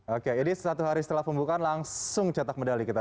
oke jadi satu hari setelah pembukaan langsung cetak medali kita